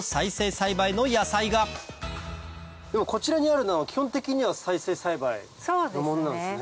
栽培の野菜がこちらにあるのは基本的には再生栽培のものなんですね？